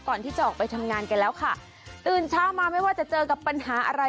ก่อนที่จะออกไปทำงานกันแล้วค่ะตื่นเช้ามาไม่ว่าจะเจอกับปัญหาอะไร